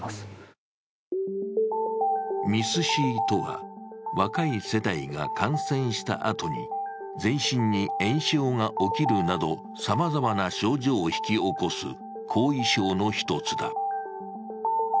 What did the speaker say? ＭＩＳ−Ｃとは若い世代が感染したあとに全身に炎症が起きるなどさまざま症状を引き起こす後遺症の一つだ。